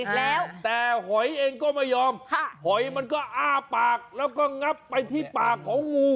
อีกแล้วแต่หอยเองก็ไม่ยอมหอยมันก็อ้าปากแล้วก็งับไปที่ปากของงู